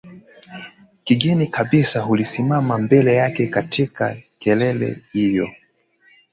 kigeni kabisa ulisimama mbele yake katika kelele hiyo